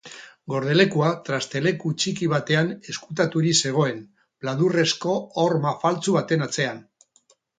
Gordelekua trasteleku txiki batean ezkutaturik zegoen, pladurrezko horma faltsu baten atzean.